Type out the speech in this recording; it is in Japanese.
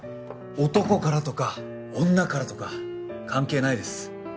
男からとか女からとか関係ないです。